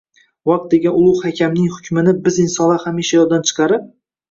Vaqt degan ulug’ hakamning hukmini biz insonlar hamisha yoddan chiqarib